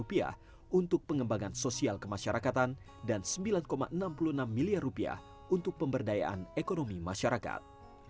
rp lima untuk pengembangan sosial kemasyarakatan dan rp sembilan enam puluh enam miliar untuk pemberdayaan ekonomi masyarakat